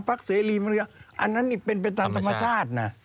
ภาคเศรีย์อันนั้นเป็นธรรมชาตินะ